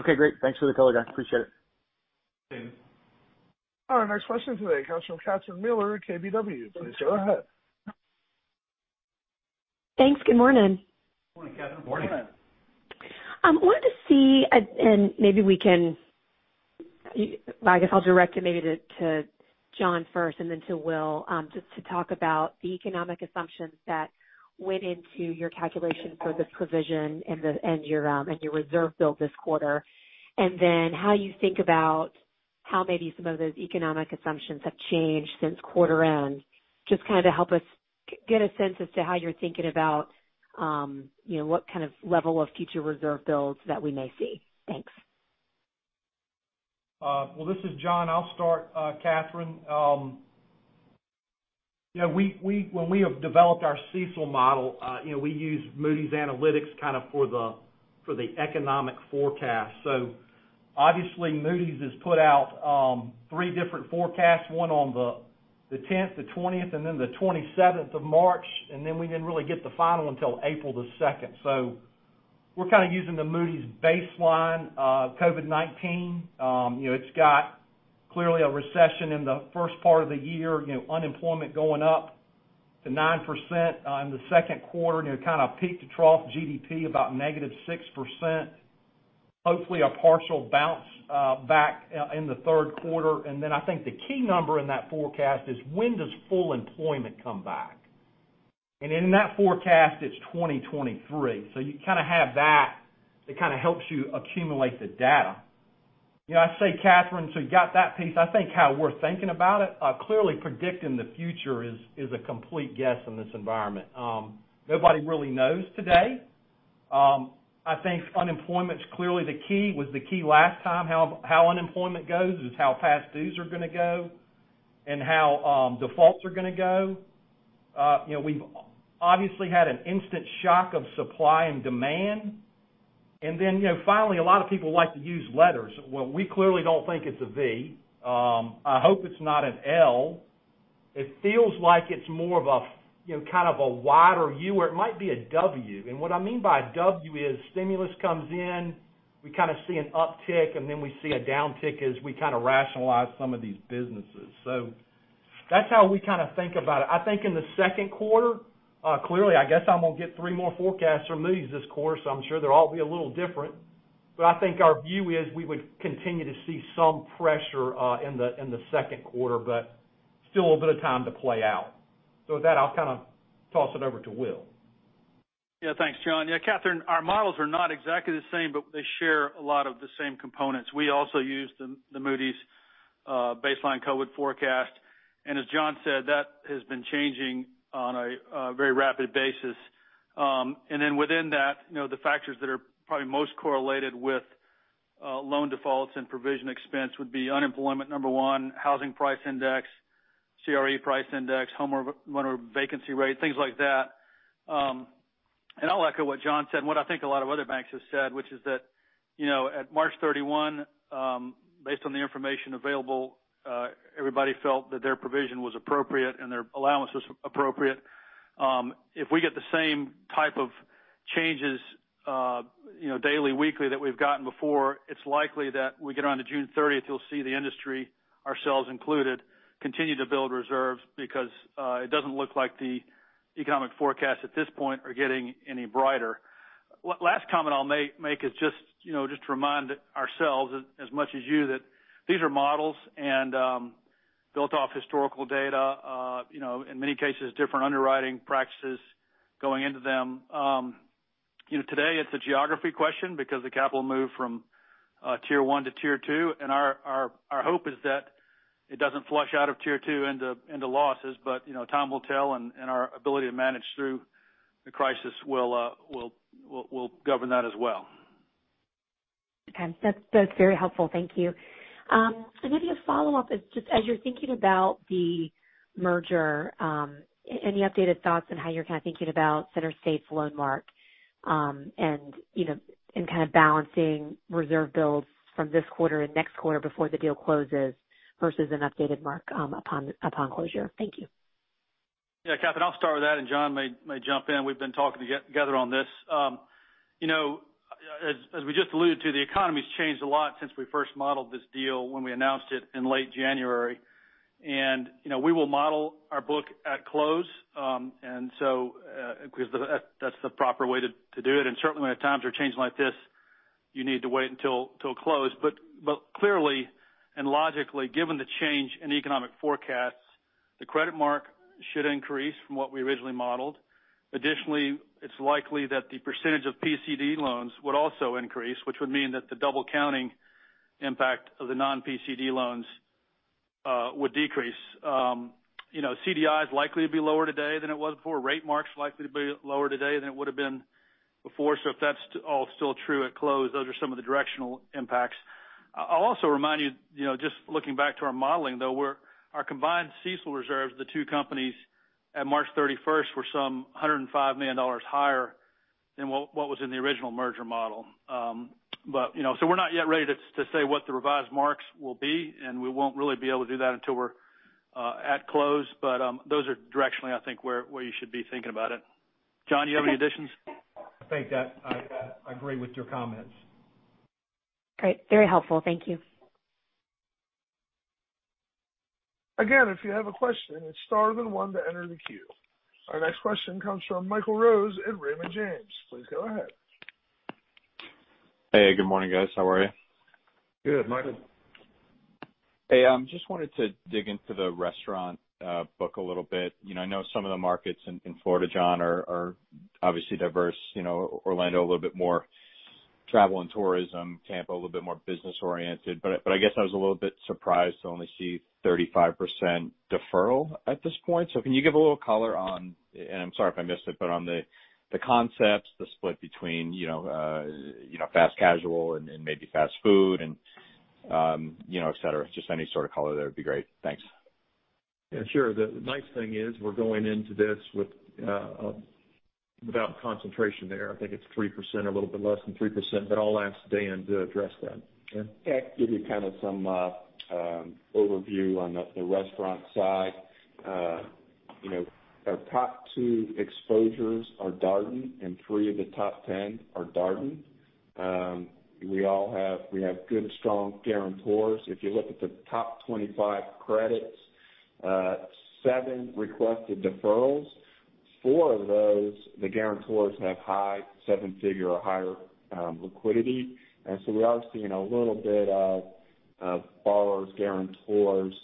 Okay, great. Thanks for the color, guys. Appreciate it. Thanks. Our next question today comes from Catherine Mealor, KBW. Please go ahead. Thanks. Good morning. Good morning, Catherine. Morning. I wanted to see, and maybe we can-- I guess I'll direct it maybe to John first and then to Will, just to talk about the economic assumptions that went into your calculation for this provision and your reserve build this quarter, and then how you think about how maybe some of those economic assumptions have changed since quarter end. Just kind of to help us get a sense as to how you're thinking about what kind of level of future reserve builds that we may see. Thanks. This is John. I'll start, Catherine. When we have developed our CECL model, we use Moody's Analytics for the economic forecast. Obviously Moody's has put out three different forecasts, one on the 10th, the 20th, then the 27th of March, then we didn't really get the final until April the 2. We're kind of using the Moody's baseline COVID-19. It's got clearly a recession in the first part of the year, unemployment going up to 9% in the second quarter. Kind of peak to trough GDP about -6%. Hopefully a partial bounce back in the third quarter. Then I think the key number in that forecast is when does full employment come back? In that forecast, it's 2023. You kind of have that, it kind of helps you accumulate the data. I say, Catherine, so you got that piece. I think how we're thinking about it, clearly predicting the future is a complete guess in this environment. Nobody really knows today. I think unemployment's clearly the key, was the key last time. How unemployment goes is how past dues are going to go and how defaults are going to go. We've obviously had an instant shock of supply and demand. Finally, a lot of people like to use letters. We clearly don't think it's a V. I hope it's not an L. It feels like it's more of a wider U, or it might be a W. What I mean by a W is stimulus comes in, we kind of see an uptick, and then we see a downtick as we kind of rationalize some of these businesses. That's how we kind of think about it. I think in the second quarter, clearly, I guess I'm going to get three more forecasts from Moody's this quarter, I'm sure they'll all be a little different. I think our view is we would continue to see some pressure in the second quarter, but still a bit of time to play out. With that, I'll kind of toss it over to Will. Yeah. Thanks, John. Yeah, Catherine, our models are not exactly the same, but they share a lot of the same components. We also use the Moody's baseline COVID forecast. As John said, that has been changing on a very rapid basis. Within that, the factors that are probably most correlated with loan defaults and provision expense would be unemployment, number one, housing price index, CRE price index, homeowner vacancy rate, things like that. I'll echo what John said, what I think a lot of other banks have said, which is that at March 31, based on the information available, everybody felt that their provision was appropriate and their allowance was appropriate. If we get the same type of changes daily, weekly that we've gotten before, it's likely that we get onto June 30th, you'll see the industry, ourselves included, continue to build reserves because it doesn't look like the economic forecasts at this point are getting any brighter. Last comment I'll make is just to remind ourselves as much as you that these are models and built off historical data, in many cases, different underwriting practices going into them. Today, it's a geography question because the capital moved from Tier 1 to Tier 2, our hope is that it doesn't flush out of Tier 2 into losses. Time will tell, and our ability to manage through the crisis will govern that as well. Okay. That's very helpful. Thank you. Maybe a follow-up is just as you're thinking about the merger, any updated thoughts on how you're kind of thinking about CenterState's loan mark, and kind of balancing reserve builds from this quarter and next quarter before the deal closes versus an updated mark upon closure? Thank you. Yeah, Catherine, I'll start with that. John may jump in. We've been talking together on this. As we just alluded to, the economy's changed a lot since we first modeled this deal when we announced it in late January. We will model our book at close because that's the proper way to do it. Certainly when the times are changing like this, you need to wait until close. Clearly and logically, given the change in economic forecasts, the credit mark should increase from what we originally modeled. Additionally, it's likely that the percentage of PCD loans would also increase, which would mean that the double counting impact of the non-PCD loans would decrease. CDI is likely to be lower today than it was before. Rate mark's likely to be lower today than it would've been before. If that's all still true at close, those are some of the directional impacts. I'll also remind you, just looking back to our modeling, though, our combined CECL reserves, the two companies at March 31 were some $105 million higher than what was in the original merger model. We're not yet ready to say what the revised marks will be, and we won't really be able to do that until we're at close. Those are directionally, I think, where you should be thinking about it. John, do you have any additions? I think that I agree with your comments. Great. Very helpful. Thank you. Again, if you have a question, it's star then one to enter the queue. Our next question comes from Michael Rose at Raymond James. Please go ahead. Hey, good morning, guys. How are you? Good, Michael. Hey, just wanted to dig into the restaurant book a little bit. I know some of the markets in Florida, John, are obviously diverse. Orlando, a little bit more travel and tourism. Tampa, a little bit more business-oriented. I guess I was a little bit surprised to only see 35% deferral at this point. Can you give a little color on, and I'm sorry if I missed it, but on the concepts, the split between fast casual and maybe fast food and et cetera. Just any sort of color there would be great. Thanks. Yeah, sure. The nice thing is we're going into this without concentration there. I think it's 3%, a little bit less than 3%, but I'll ask Dan to address that. Dan? Yeah. I can give you kind of some overview on the restaurant side. Our top two exposures are Darden, three of the top 10 are Darden. We have good, strong guarantors. If you look at the top 25 credits, seven requested deferrals. The guarantors have high seven-figure or higher liquidity. We are seeing a little bit of borrowers, guarantors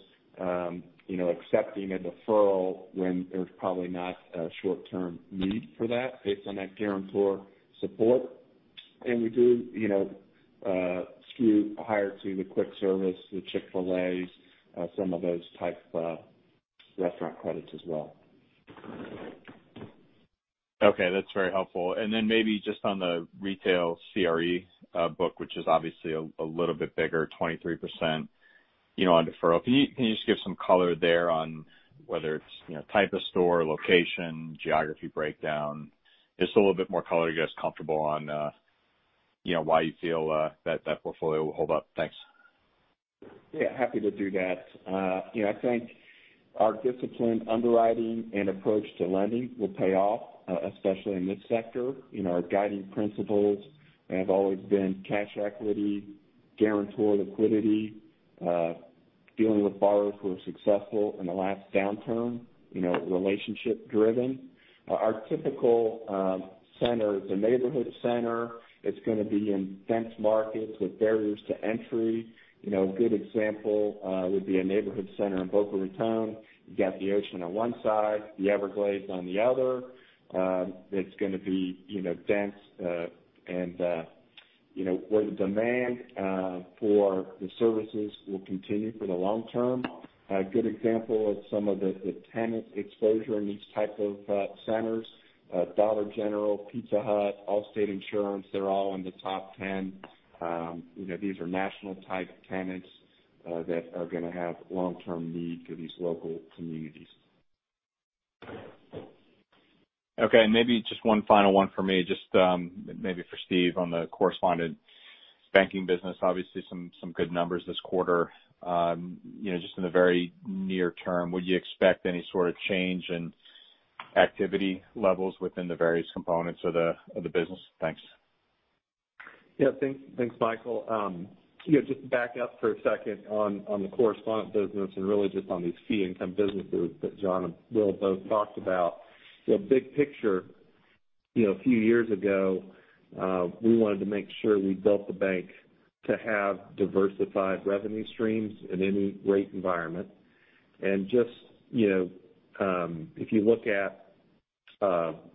accepting a deferral when there's probably not a short-term need for that based on that guarantor support. We do skew higher to the quick service, the Chick-fil-A's, some of those type of restaurant credits as well. Okay. That's very helpful. Then maybe just on the retail CRE book, which is obviously a little bit bigger, 23% on deferral. Can you just give some color there on whether it's type of store, location, geography breakdown, just a little bit more color to get us comfortable on why you feel that portfolio will hold up? Thanks. Yeah, happy to do that. I think our disciplined underwriting and approach to lending will pay off, especially in this sector. Our guiding principles have always been cash equity, guarantor liquidity, dealing with borrowers who were successful in the last downturn, relationship driven. Our typical center is a neighborhood center. It's going to be in dense markets with barriers to entry. Good example would be a neighborhood center in Boca Raton. You've got the ocean on one side, the Everglades on the other. It's going to be dense and where the demand for the services will continue for the long term. A good example is some of the tenant exposure in these type of centers, Dollar General, Pizza Hut, Allstate Insurance, they're all in the top 10. These are national type tenants that are going to have long-term need for these local communities. Okay, maybe just one final one for me, just maybe for Steve on the correspondent banking business. Obviously some good numbers this quarter. Just in the very near term, would you expect any sort of change in activity levels within the various components of the business? Thanks. Yeah. Thanks, Michael. Just to back up for a second on the correspondent business and really just on these fee income businesses that John and Will both talked about. Big picture, a few years ago, we wanted to make sure we built the bank to have diversified revenue streams in any rate environment. Just if you look at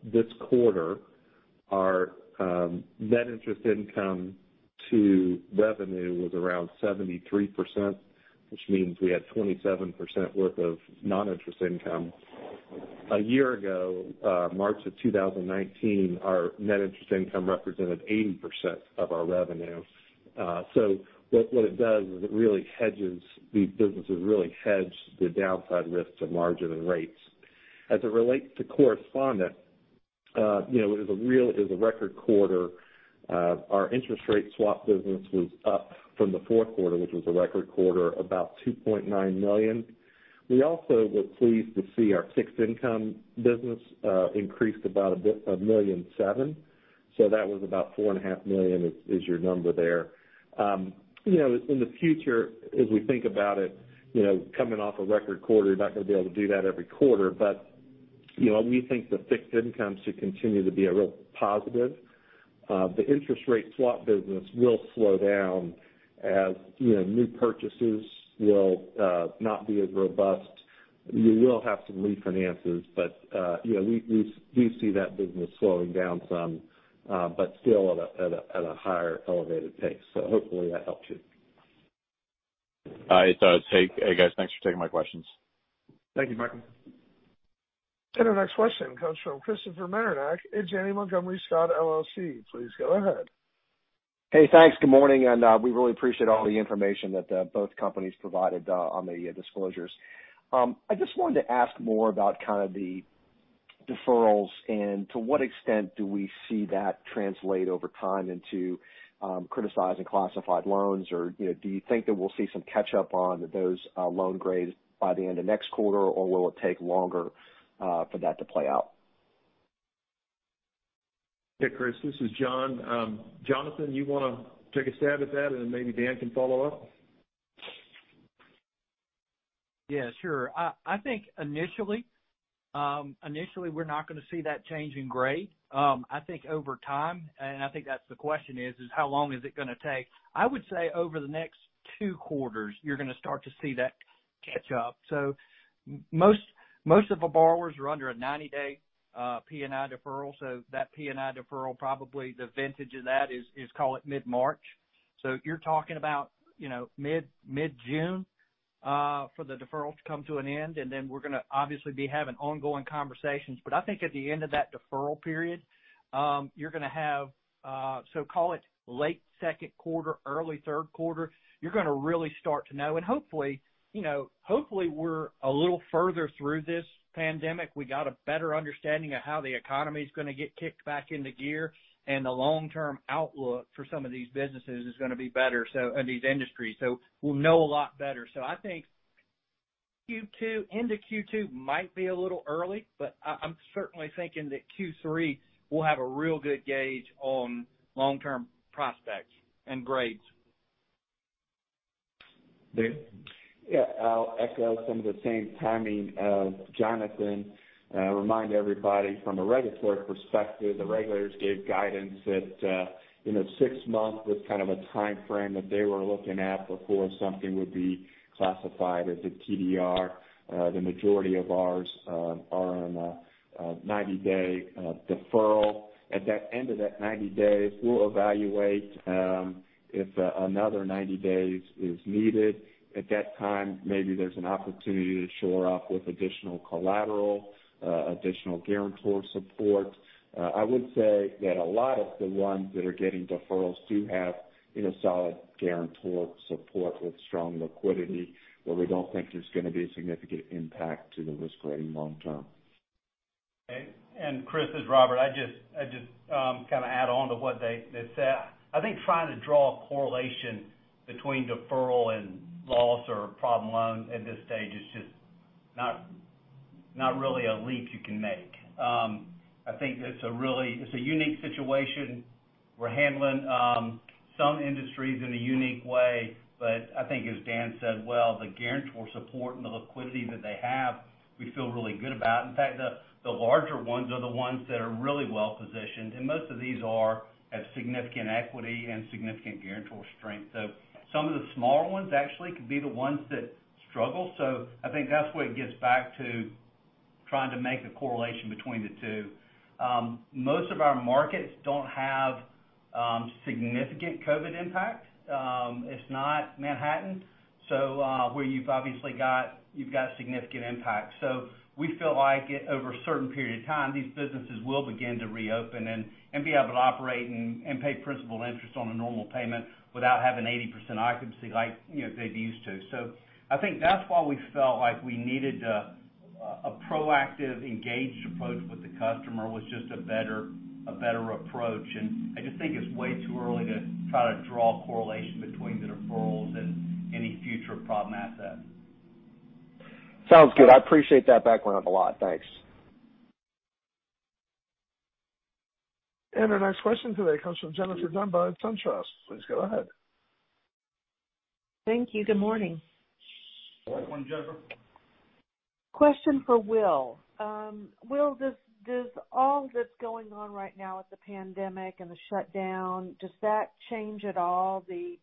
this quarter, our net interest income to revenue was around 73%, which means we had 27% worth of non-interest income. A year ago, March of 2019, our net interest income represented 80% of our revenue. What it does is it really hedges these businesses, really hedge the downside risks of margin and rates. As it relates to correspondent, it was a record quarter. Our interest rate swap business was up from the fourth quarter, which was a record quarter, about $2.9 million. We also were pleased to see our fixed income business increase about $1.7 million. That was about $4.5 million is your number there. In the future, as we think about it, coming off a record quarter, you're not going to be able to do that every quarter. We think the fixed income should continue to be a real positive. The interest rate swap business will slow down as new purchases will not be as robust. You will have some refinances, but we see that business slowing down some but still at a higher elevated pace. Hopefully that helps you. It does. Hey guys, thanks for taking my questions. Thank you, Michael. Our next question comes from Christopher Marinac at Janney Montgomery Scott LLC. Please go ahead. Hey, thanks. Good morning. We really appreciate all the information that both companies provided on the disclosures. I just wanted to ask more about kind of the deferrals, and to what extent do we see that translate over time into criticized classified loans or do you think that we'll see some catch up on those loan grades by the end of next quarter, or will it take longer for that to play out? Hey, Chris, this is John. Jonathan, you want to take a stab at that and then maybe Dan can follow up? Yeah, sure. I think initially we're not going to see that change in grade. I think over time, and I think that's the question is how long is it going to take? I would say over the next two quarters, you're going to start to see that catch up. Most of the borrowers are under a 90-day P&I deferral. That P&I deferral, probably the vintage of that is, call it mid-March. You're talking about mid-June for the deferral to come to an end, and then we're going to obviously be having ongoing conversations. But I think at the end of that deferral period, you're going to have, so call it late second quarter, early third quarter, you're going to really start to know. And hopefully we're a little further through this pandemic. We got a better understanding of how the economy's going to get kicked back into gear and the long-term outlook for some of these businesses is going to be better, and these industries. We'll know a lot better. I think into Q2 might be a little early, but I'm certainly thinking that Q3 will have a real good gauge on long-term prospects and grades. Yeah, I'll echo some of the same timing as Jonathan. Remind everybody from a regulatory perspective, the regulators gave guidance that six months was kind of a timeframe that they were looking at before something would be classified as a TDR. The majority of ours are on a 90-day deferral. At that end of that 90 days, we'll evaluate if another 90 days is needed. At that time, maybe there's an opportunity to shore up with additional collateral, additional guarantor support. I would say that a lot of the ones that are getting deferrals do have solid guarantor support with strong liquidity, where we don't think there's going to be a significant impact to the risk rating long-term. Okay. Chris, this is Robert. I just kind of add on to what they said. I think trying to draw a correlation between deferral and loss or problem loan at this stage is just not really a leap you can make. I think it's a unique situation. We're handling some industries in a unique way, but I think as Dan said, well, the guarantor support and the liquidity that they have, we feel really good about. In fact, the larger ones are the ones that are really well-positioned, and most of these are at significant equity and significant guarantor strength. Some of the smaller ones actually could be the ones that struggle. I think that's where it gets back to trying to make the correlation between the two. Most of our markets don't have significant COVID-19 impact. It's not Manhattan where you've obviously got significant impact. We feel like over a certain period of time, these businesses will begin to reopen and be able to operate and pay principal interest on a normal payment without having 80% occupancy like they're used to. I think that's why we felt like we needed a proactive, engaged approach with the customer was just a better approach. I just think it's way too early to try to draw a correlation between the deferrals and any future problem assets. Sounds good. I appreciate that background a lot. Thanks. Our next question today comes from Jennifer Demba at SunTrust. Please go ahead. Thank you. Good morning. Good morning, Jennifer. Question for Will. Will, does all that's going on right now with the pandemic and the shutdown, does that change at all the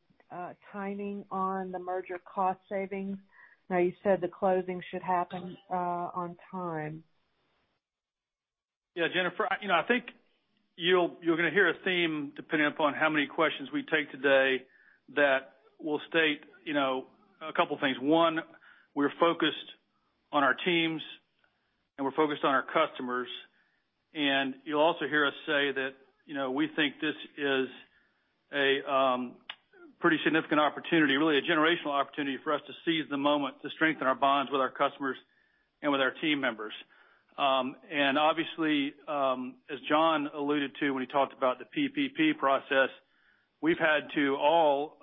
timing on the merger cost savings? You said the closing should happen on time. Yeah, Jennifer, I think you're going to hear a theme, depending upon how many questions we take today that will state a couple of things. One, we're focused on our teams, and we're focused on our customers. You'll also hear us say that we think this is a pretty significant opportunity, really a generational opportunity for us to seize the moment to strengthen our bonds with our customers and with our team members. Obviously, as John alluded to when he talked about the PPP process, we've had to all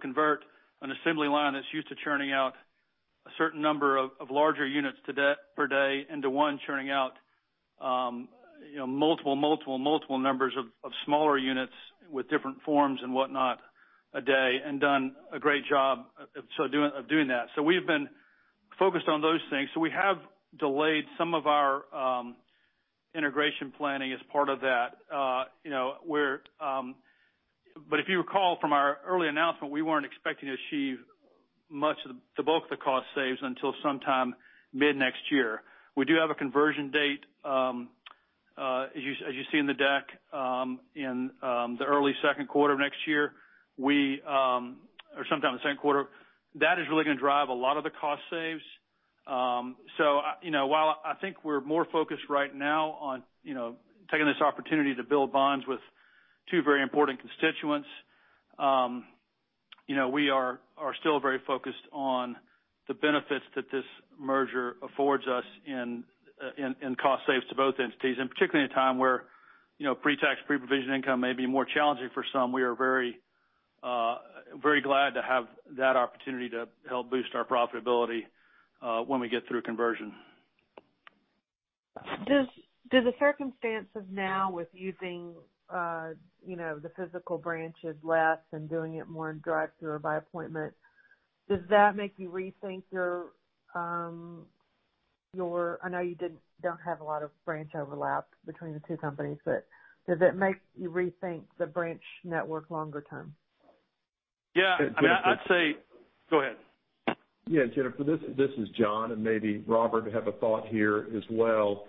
convert an assembly line that's used to churning out a certain number of larger units per day into one churning out multiple numbers of smaller units with different forms and whatnot a day and done a great job of doing that. We've been focused on those things. We have delayed some of our integration planning as part of that. If you recall from our early announcement, we weren't expecting to achieve much of the bulk of the cost saves until sometime mid-next year. We do have a conversion date, as you see in the deck, in the early second quarter of next year or sometime the same quarter. That is really going to drive a lot of the cost saves. While I think we're more focused right now on taking this opportunity to build bonds with two very important constituents, we are still very focused on the benefits that this merger affords us in cost saves to both entities, and particularly in a time where pre-tax, pre-provision income may be more challenging for some. We are very glad to have that opportunity to help boost our profitability when we get through conversion. Do the circumstances now with using the physical branches less and doing it more in drive-through or by appointment, does that make you rethink? I know you don't have a lot of branch overlap between the two companies, but does it make you rethink the branch network longer term? Go ahead. Yeah, Jennifer, this is John. Maybe Robert have a thought here as well.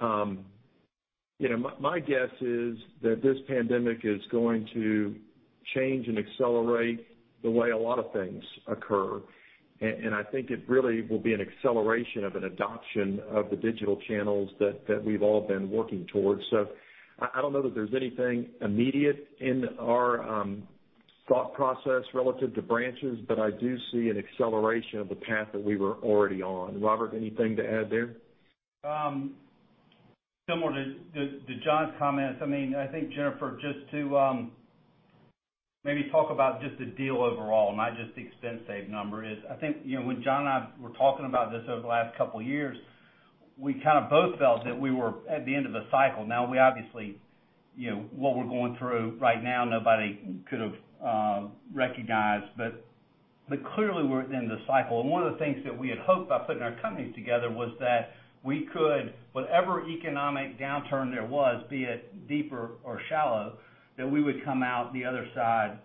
My guess is that this pandemic is going to change and accelerate the way a lot of things occur. I think it really will be an acceleration of an adoption of the digital channels that we've all been working towards. I don't know that there's anything immediate in our thought process relative to branches, but I do see an acceleration of the path that we were already on. Robert, anything to add there? Similar to John's comments. I think Jennifer, just to maybe talk about just the deal overall, not just the expense save number is, I think when John and I were talking about this over the last couple of years. We kind of both felt that we were at the end of a cycle. Obviously, what we're going through right now, nobody could have recognized, but clearly we're at the end of the cycle. One of the things that we had hoped by putting our companies together was that we could, whatever economic downturn there was, be it deep or shallow, that we would come out the other side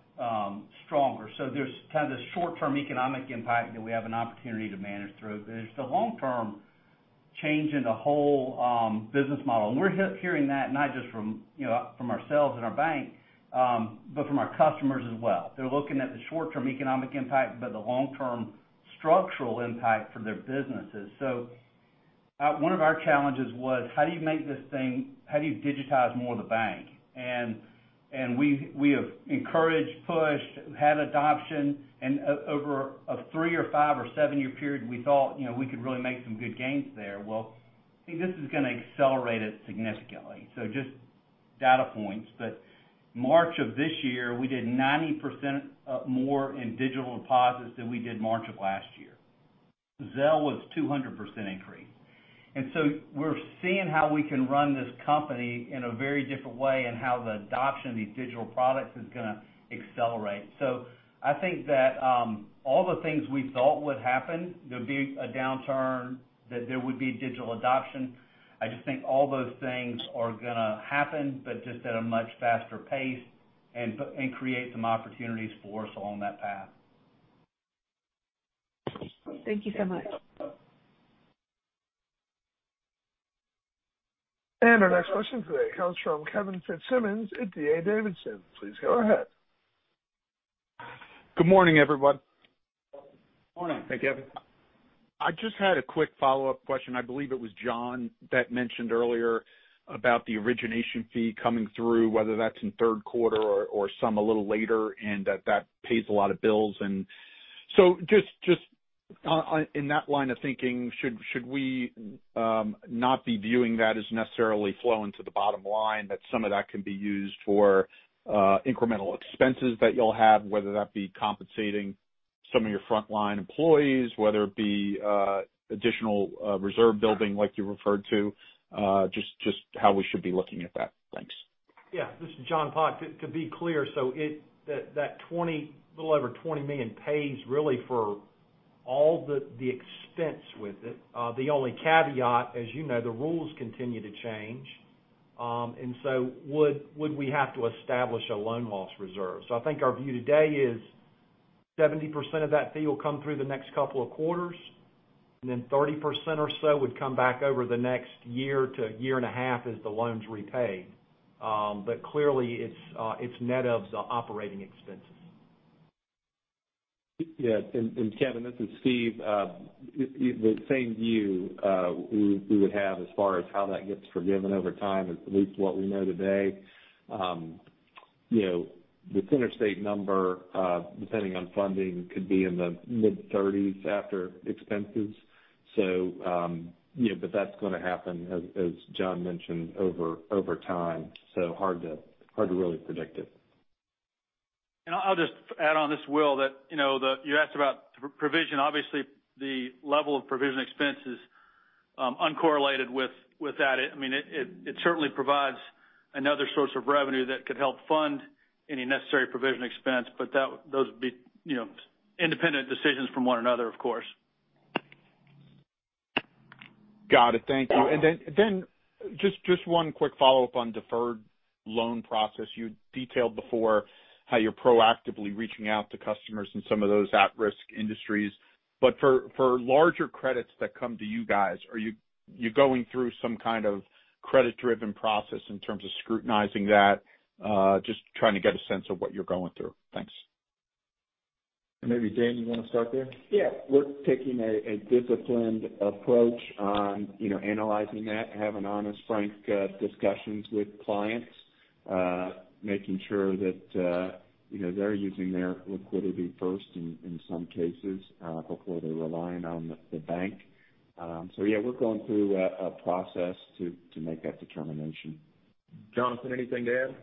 stronger. There's kind of this short-term economic impact that we have an opportunity to manage through. There's the long-term change in the whole business model, and we're hearing that not just from ourselves and our bank, but from our customers as well. They're looking at the short-term economic impact, but the long-term structural impact for their businesses. One of our challenges was, how do you digitize more of the bank? We have encouraged, pushed, had adoption, and over a three or five or seven-year period, we thought we could really make some good gains there. Well, I think this is going to accelerate it significantly. Just data points, but March of this year, we did 90% more in digital deposits than we did March of last year. Zelle was 200% increase. We're seeing how we can run this company in a very different way and how the adoption of these digital products is going to accelerate. I think that all the things we thought would happen, there'd be a downturn, that there would be digital adoption, I just think all those things are going to happen, but just at a much faster pace and create some opportunities for us along that path. Thank you so much. Our next question today comes from Kevin Fitzsimmons at D.A. Davidson. Please go ahead. Good morning, everyone. Morning. Hey, Kevin. I just had a quick follow-up question. I believe it was John that mentioned earlier about the origination fee coming through, whether that's in third quarter or some a little later, and that that pays a lot of bills. Just in that line of thinking, should we not be viewing that as necessarily flowing to the bottom line, that some of that can be used for incremental expenses that you'll have, whether that be compensating some of your frontline employees, whether it be additional reserve building like you referred to, just how we should be looking at that. Thanks. Yeah. This is John Pollok. To be clear, that little over $20 million pays really for all the expense with it. The only caveat, as you know, the rules continue to change, would we have to establish a loan loss reserve? I think our view today is 70% of that fee will come through the next couple of quarters, and then 30% or so would come back over the next year to year and a half as the loan's repaid. Clearly it's net of the operating expenses. Kevin, this is Steve. The same view we would have as far as how that gets forgiven over time, at least what we know today. The CenterState number, depending on funding, could be in the mid-30s after expenses. That's going to happen, as John mentioned, over time, so hard to really predict it. I'll just add on this, Will, that you asked about provision. Obviously, the level of provision expense is uncorrelated with that. It certainly provides another source of revenue that could help fund any necessary provision expense, but those would be independent decisions from one another, of course. Got it. Thank you. Just one quick follow-up on deferred loan process. You detailed before how you're proactively reaching out to customers in some of those at-risk industries. For larger credits that come to you guys, are you going through some kind of credit-driven process in terms of scrutinizing that? Just trying to get a sense of what you're going through. Thanks. Maybe Dan, you want to start there? Yeah. We're taking a disciplined approach on analyzing that, having honest, frank discussions with clients, making sure that they're using their liquidity first in some cases. Hopefully, they're relying on the bank. Yeah, we're going through a process to make that determination. Jonathan, anything to add?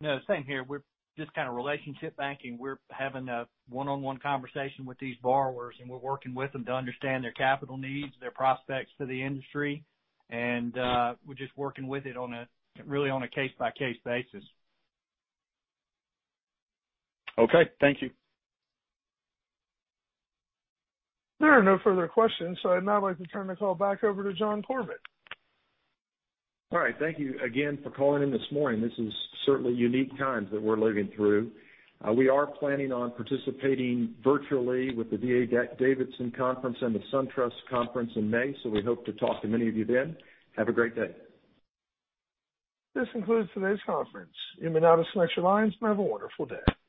No, same here. We're just kind of relationship banking. We're having a one-on-one conversation with these borrowers, and we're working with them to understand their capital needs, their prospects for the industry, and we're just working with it really on a case-by-case basis. Okay. Thank you. There are no further questions, so I'd now like to turn the call back over to John Corbett. All right. Thank you again for calling in this morning. This is certainly unique times that we're living through. We are planning on participating virtually with the D.A. Davidson conference and the SunTrust conference in May. We hope to talk to many of you then. Have a great day. This concludes today's conference. You may now disconnect your lines and have a wonderful day.